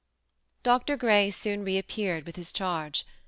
Dr. Grey soon reappeared with his charge.